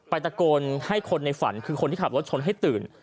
ตะโกนให้คนในฝันคือคนที่ขับรถชนให้ตื่น